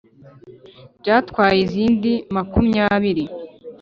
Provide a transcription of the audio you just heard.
byatwaye izindi makumyabiri